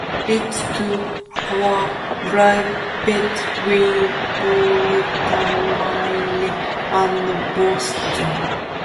It's a two-hour drive between Portland, Maine, and Boston.